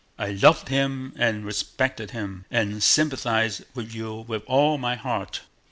"I loved him and respected him, and sympathize with you with all my heart."